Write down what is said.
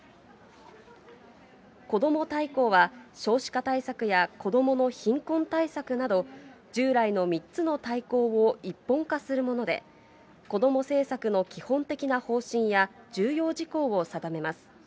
こども大綱は少子化対策や子どもの貧困対策など、従来の３つの大綱を一本化するもので、こども政策の基本的な方針や、重要事項を定めます。